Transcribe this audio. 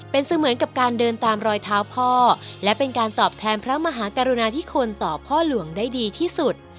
เป็นเสมือนกับการเดินตามรอยเท้าพ่อและเป็นการตอบแทนพระมหากรุณาธิคุณต่อพ่อหลวงได้ดีที่สุด